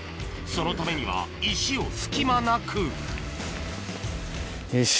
そのためには石を隙間なくよし。